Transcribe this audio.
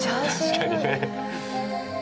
「確かにね」